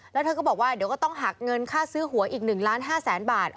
แล้วเธอก็บอกว่าเดี๋ยวก็ต้องหักเงินค่าซื้อหัวอีก๑ล้าน๕แสนบาท